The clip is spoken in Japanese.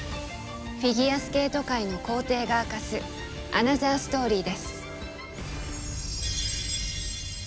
フィギュアスケート界の皇帝が明かすアナザーストーリーです。